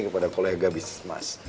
kepada kolega bisnis mas